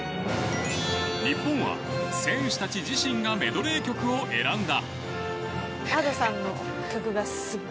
日本は選手たち自身がメドレー曲を選んだ。